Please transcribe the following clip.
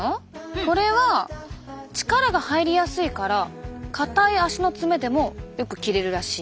これは力が入りやすいから硬い足の爪でもよく切れるらしい。